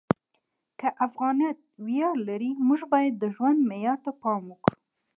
که افغانیت ویاړ لري، موږ باید د ژوند معیار ته پام وکړو.